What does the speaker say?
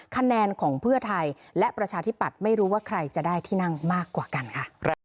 คะแนนของเพื่อไทยและประชาธิปัตย์ไม่รู้ว่าใครจะได้ที่นั่งมากกว่ากันค่ะ